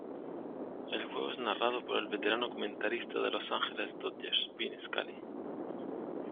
El juego es narrado por el veterano comentarista de Los Angeles Dodgers, Vin Scully.